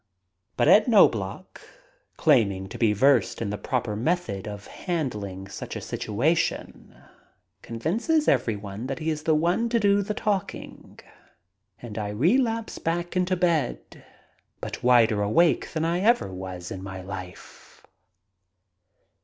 But Ed Knobloch, claiming to be versed in the proper method of handling such a situation, convinces everyone that he is the one to do the talking and I relapse back into bed, but wider awake than I ever was in my life.